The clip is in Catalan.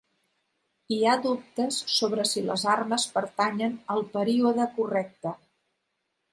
Hi ha dubtes sobre si les armes pertanyen al període correcte.